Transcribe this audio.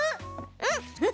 うん！